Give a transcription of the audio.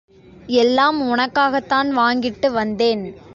எல்லாம் ஒனக்காகத்தான் வாங்கிக்கிட்டு வந்தேன்.